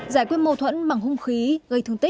giải quyết mâu thuẫn bằng hung khí